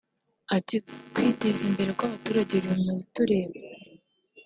Ati” kwiteza imbere kw’abaturage biri mu bitureba